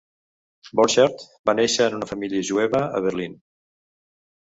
Borchardt va néixer en una família jueva a Berlín.